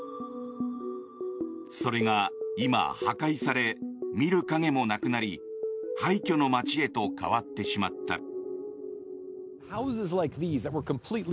それが今、破壊され見る影もなくなり廃虚の街へと変わってしまった。